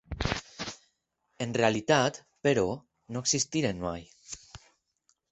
En realitat, però, no existiren mai.